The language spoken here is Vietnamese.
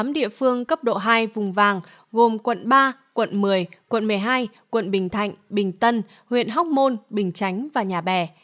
tám địa phương cấp độ hai vùng vàng gồm quận ba quận một mươi quận một mươi hai quận bình thạnh bình tân huyện hóc môn bình chánh và nhà bè